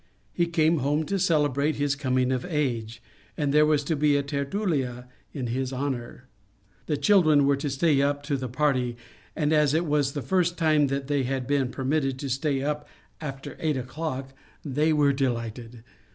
He came home to celebrate his coming of age, and there was to be a tertulia in his honour. The children were to stay up to the party, and as it was the first time that they had been per mitted to stay up after eight o'clock, they were delighted.